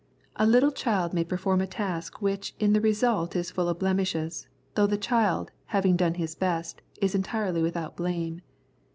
A little child may perform a task which in the result is full of blemishes, though the child, having done his best, is entirely without blame.